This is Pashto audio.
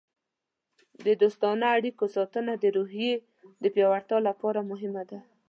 د دوستانه اړیکو ساتنه د روحیې د پیاوړتیا لپاره مهمه ده.